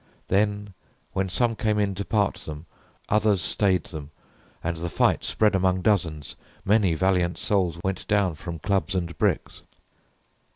Then, when some came in To part them, others stayed them, and the fight Spread among dozens; many valiant souls Went down from clubs and bricks.